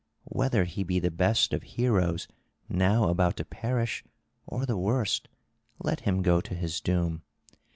Whether he be the best of heroes now about to perish, or the worst, let him go to his doom.